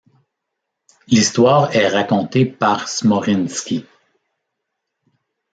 L'histoire est raconté par Smoryński.